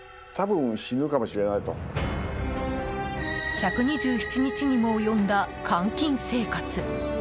１２７日にも及んだ監禁生活。